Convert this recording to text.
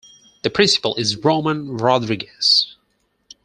The principal is Roman Rodriguez.